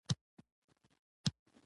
دوی به پر انګریزانو غالب سي.